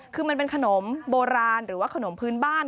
คือมันเป็นขนมโบราณหรือว่าขนมพื้นบ้าน